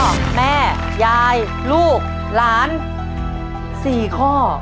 พ่อแม่ยายลูกหลานสี่ข้อ